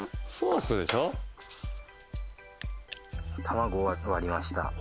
卵割りました。